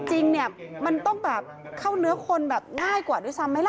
จริงเนี่ยมันต้องแบบเข้าเนื้อคนแบบง่ายกว่าด้วยซ้ำไหมล่ะ